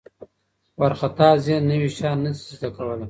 وارخطا ذهن نوي شیان نه شي زده کولی.